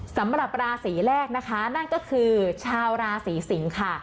สำหรับราศีแรกนะคะนั่นก็คือชาวราศีสิงค่ะ